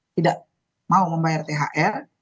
tidak mau membayar thr